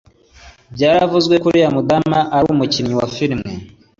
Byaravuzwe ko uriya mudamu yari umukinnyi wa filime